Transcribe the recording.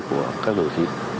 của các đồng chí